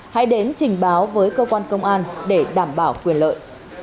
hãy đến trình báo với cơ quan công an để đảm bảo quyền lợi